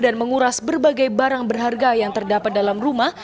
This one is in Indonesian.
dan menguras berbagai barang berharga yang terdapat dalam rumah